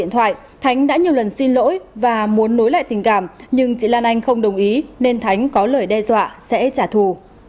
điện thoại thánh đã nhiều lần xin lỗi và muốn nối lại tình cảm nhưng chị lan anh không đồng ý nên thánh có lời đe dọa sẽ trả thù